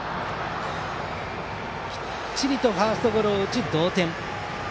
きっちりとファーストゴロを打ち、同点。